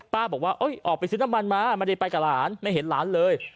บอกว่าออกไปซื้อน้ำมันมาไม่ได้ไปกับหลานไม่เห็นหลานเลย